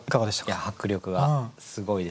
いや迫力がすごいですね。